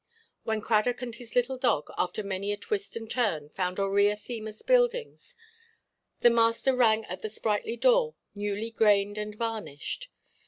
When Cradock and his little dog, after many a twist and turn, found Aurea Themis Buildings, the master rang at the sprightly door, newly grained and varnished.